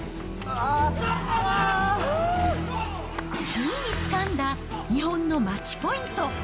ついにつかんだ日本のマッチポイント。